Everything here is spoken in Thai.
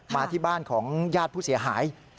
มาที่บ้านของญาติผู้เสียหาย